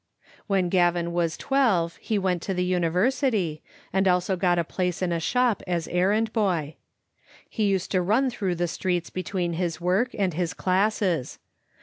" When Gavin was twelve he went to the university, and also got a place in a shop as errand boy. He used to run through the streets between his work and his classes.